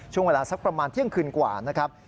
ช่วงเวลาสักประมาณเที่ยงคืนกว่านะครับ